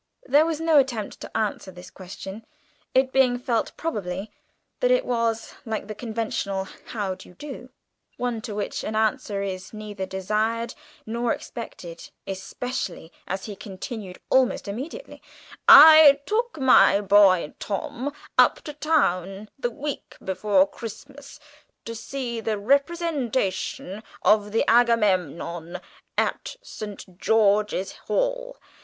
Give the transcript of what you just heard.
There was no attempt to answer this question, it being felt probably that it was, like the conventional "How do you do?" one to which an answer is neither desired nor expected, especially as he continued almost immediately, "I took my boy Tom up to town the week before Christmas to see the representation of the 'Agamemnon' at St. George's Hall.